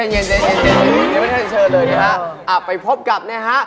อย่าเอาแบบค่อนข้างจะเชิญเลยนะฮะ